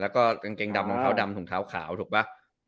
กางเกงดำน้องเท้าดำถุงเท้าขาวถูกปะ